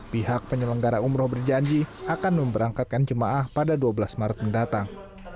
pihak penyelenggara umroh berjanji akan memberangkatkan jemaah pada dua belas maret mendatang